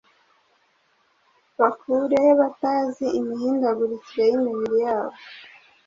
Bakure batazi imihindukire y’imibiri yabo